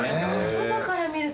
外から見るとね